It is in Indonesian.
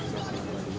seri kata sendiri